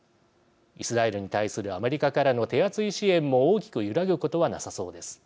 イスラエルに対するアメリカからの手厚い支援も大きく揺らぐことはなさそうです。